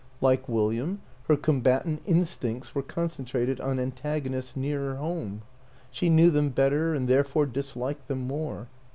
Like William, her combatant in stincts were concentrated on antagonists nearer home; she knew them better and therefore dis liked them more.